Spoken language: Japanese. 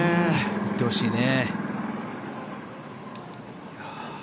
行ってほしいね。